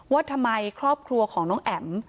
ว่าทำไมครอบครัวของน้องแอ๋ม